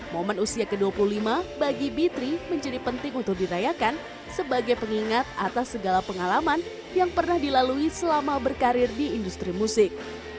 momen usia ke dua puluh lima bagi b tiga menjadi penting untuk dirayakan sebagai pengingat atas segala pengalaman yang pernah dilalui selama berkarir di industri musik